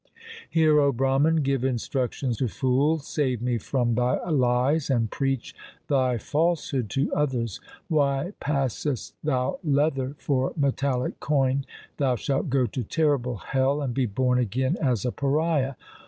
76 THE SIKH RELIGION Hear, O Brahman, give instruction to fools, save me from thy lies, and preach thy falsehood to others. Why passest thou leather for metallic coin ? Thou shalt go to terrible hell, and be born again as a pariah.